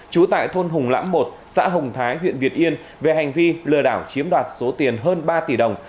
trú tại thôn hùng lãm một xã hồng thái huyện việt yên về hành vi lừa đảo chiếm đoạt số tiền hơn ba tỷ đồng